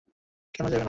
কেন যাইবে না।